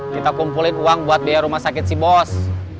kita kumpulin uang buat biaya rumah sakit si bos